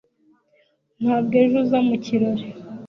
Ntabwo ejo uza mu kirori